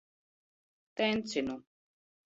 Tencinu.